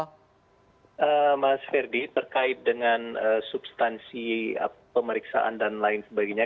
eh mas ferdi terkait dengan eh substansi eh pemeriksaan dan lain sebagainya